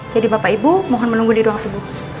jadi bapak ibu mohon menunggu di ruang tubuh